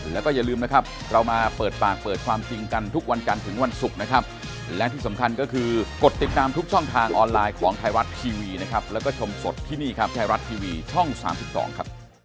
แล้วก็ชมสดที่นี่ครับแชร์รัดทีวีช่อง๓๒ครับ